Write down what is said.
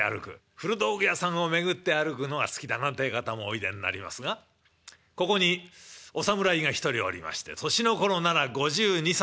古道具屋さんを巡って歩くのが好きだなんてえ方もおいでになりますがここにお侍が１人おりまして年の頃なら５２５３。